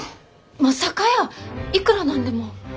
まさかやーいくら何でも。